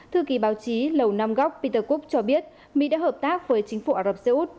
thư ký báo chí lầu nam góc peter couk cho biết mỹ đã hợp tác với chính phủ ả rập xê út